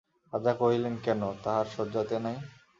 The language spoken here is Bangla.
রাজা কহিলেন, কেন, তাহার শয্যাতে নাই?